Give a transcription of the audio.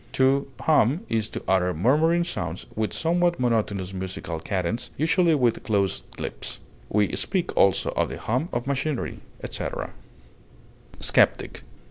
To hum is to utter murmuring sounds with somewhat monotonous musical cadence, usually with closed lips; we speak also of the hum of machinery, etc. SKEPTIC.